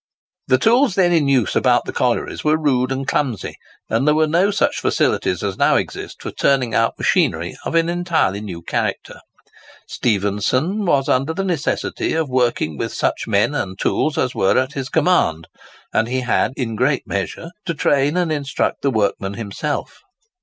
The tools then in use about the collieries were rude and clumsy; and there were no such facilities as now exist for turning out machinery of an entirely new character. Stephenson was under the necessity of working with such men and tools as were at his command; and he had in a great measure to train and instruct the workmen himself.